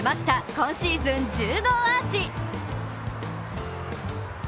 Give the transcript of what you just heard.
今シーズン１０号アーチ。